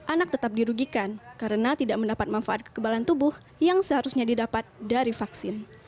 anak tetap dirugikan karena tidak mendapat manfaat kekebalan tubuh yang seharusnya didapat dari vaksin